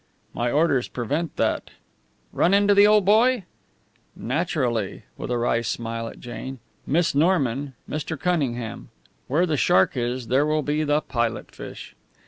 "My orders prevent that." "Run into the old boy?" "Naturally," with a wry smile at Jane. "Miss Norman, Mr. Cunningham. Where the shark is, there will be the pilot fish."